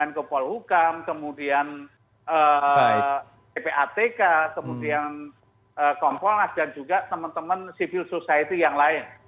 dan kepol hukam kemudian kpatk kemudian komponas dan juga teman teman civil society yang lain